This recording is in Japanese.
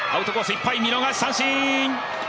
いっぱい見逃し三振！